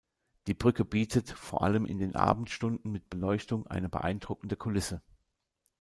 Die Brücke bietet, vor allem in den Abendstunden mit Beleuchtung, eine beeindruckende Kulisse.